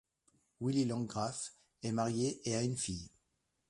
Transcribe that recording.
Willi Landgraf est marié et a une fille.